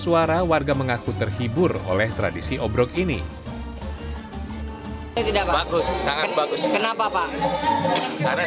suara warga mengaku terhibur oleh tradisi obrok ini tidak bagus sangat bagus kenapa pak karena